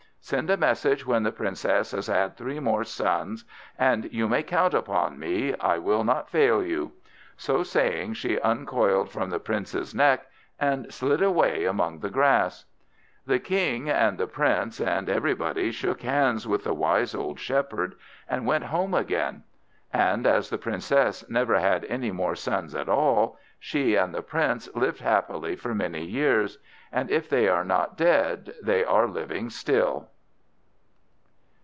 Send a message when the Princess has had three more sons, and you may count upon me I will not fail you." So saying, she uncoiled from the Prince's neck and slid away among the grass. The King and the Prince and everybody shook hands with the wise old Shepherd, and went home again. And as the Princess never had any more sons at all, she and the Prince lived happily for many years; and if they are not dead they are living still.